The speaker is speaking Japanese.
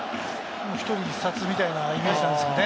一人一殺みたいなイメージじゃないですかね？